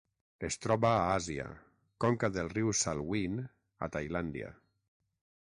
Es troba a Àsia: conca del riu Salween a Tailàndia.